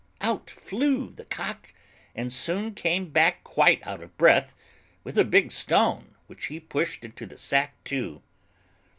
Out flew the Cock, and soon came back quite out of breath, with a big stone, which he pushed into the sack too.